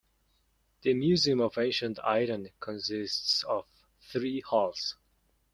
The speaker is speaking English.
The Museum of Ancient Iran consists of three halls.